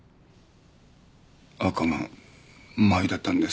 赤が前だったんです。